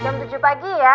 jam tujuh pagi ya